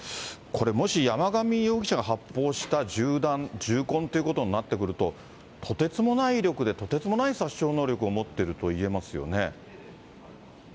これ、もし山上容疑者が発砲した銃弾、銃痕ということになってくると、とてつもない威力で、とてつもない殺傷能力を持ってるといえますよね。